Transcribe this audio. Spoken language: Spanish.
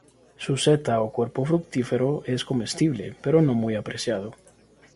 Su seta, o cuerpo fructífero, es comestible, pero no muy apreciado.